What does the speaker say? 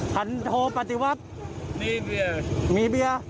ฉันโทรปฏิวัติมีเบียร์